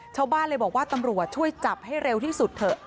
ชาวบ้านเลยบอกว่าตำรวจช่วยจับให้เร็วที่สุดเถอะ